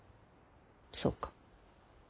そうか。